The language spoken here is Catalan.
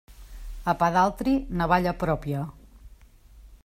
A pa d'altri, navalla pròpia.